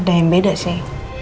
ada yang beda sih